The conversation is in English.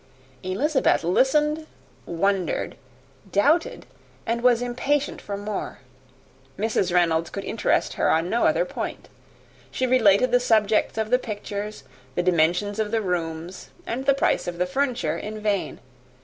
Elizabeth listened, wondered, doubted, and was impatient for more. Mrs. Reynolds could interest her on no other point. She related the subjects of the pictures, the dimensions of the rooms, and the price of the furniture in vain.